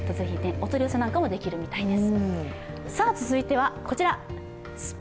お取り寄せなんかもできるみたいです。